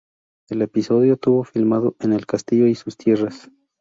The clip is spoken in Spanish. El episodio estuvo filmado en el castillo y sus tierras.